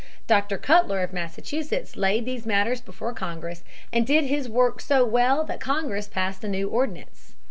Dr. Cutler of Massachusetts laid these matters before Congress and did his work so well that Congress passed a new ordinance.